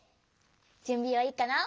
じゅんびはいいかな？